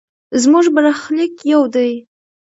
زموږ برخلیک یو دی.